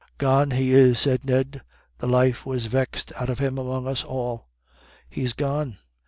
"Gone he is," said Ned, "the life was vexed out of him among us all. He's gone.